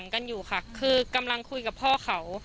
ก็กลายเป็นว่าติดต่อพี่น้องคู่นี้ไม่ได้เลยค่ะ